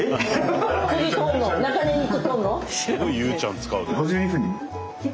すごいゆうちゃん使う。